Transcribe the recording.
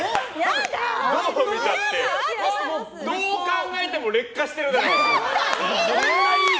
どう考えても劣化してるじゃない。